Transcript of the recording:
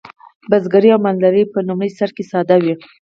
بزګري او مالداري په لومړي سر کې ساده وې.